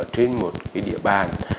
trên một địa bàn